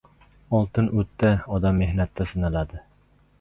• Oltin o‘tda, odam mehnatda sinaladi.